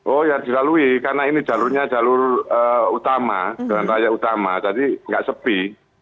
oh ya dilalui karena ini jalurnya jalur utama jalan raya utama jadi nggak sepi